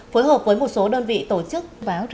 phối hợp với một số đơn vị tổ chức